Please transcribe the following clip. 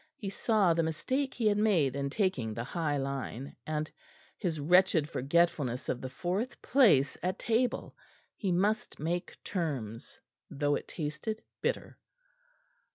He saw the mistake he had made in taking the high line, and his wretched forgetfulness of the fourth place at table. He must make terms, though it tasted bitter.